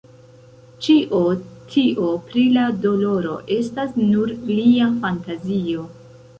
Ĉio tio pri la doloro estas nur lia fantazio.